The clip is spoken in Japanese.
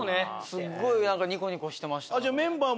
すごいニコニコしてました。